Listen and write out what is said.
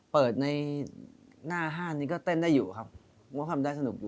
เปิดในหน้า๕นี้ก็เต้นได้อยู่ครับ